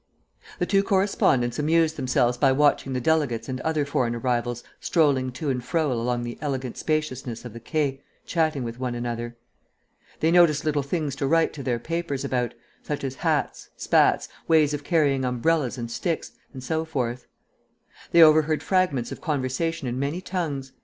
The two correspondents amused themselves by watching the delegates and other foreign arrivals strolling to and fro along the elegant spaciousness of the Quai, chatting with one another. They noticed little things to write to their papers about, such as hats, spats, ways of carrying umbrellas and sticks, and so forth. They overheard fragments of conversation in many tongues.